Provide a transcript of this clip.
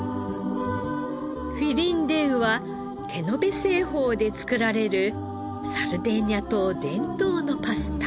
フィリンデウは手延べ製法で作られるサルデーニャ島伝統のパスタ。